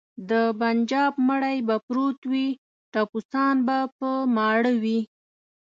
د بنجاب مړی به پروت وي ټپوسان به په ماړه وي.